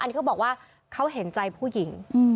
อันนี้เขาบอกว่าเขาเห็นใจผู้หญิง